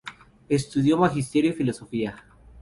Estudió magisterio y filosofía.